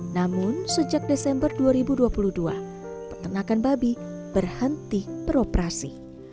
namun sejak desember dua ribu dua puluh dua peternakan babi berhenti beroperasi